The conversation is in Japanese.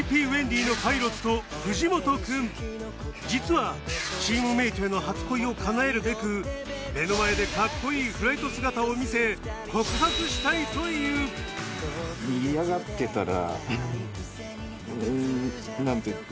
実はチームメイトへの初恋を叶えるべく目の前でカッコいいフライト姿を見せ告白したいという嫌がってたら。